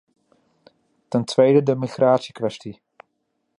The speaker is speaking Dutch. Ten tweede de migratiekwestie.